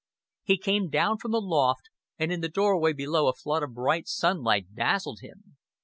He came down from the loft, and in the doorway below a flood of bright sunlight dazzled him.